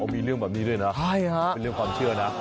มีเรื่องแบบนี้ด้วยนะเป็นเรื่องความเชื่อนะ